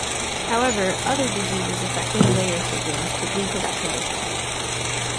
However, other diseases affecting layer chickens could lead to that condition.